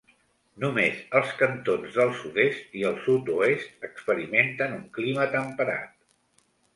Només els cantons del sud-est i el sud-oest experimenten un clima temperat.